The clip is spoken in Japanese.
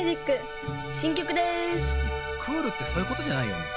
クールってそういうことじゃないよ。